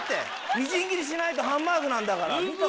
みじん切りしないとハンバーグなんだから。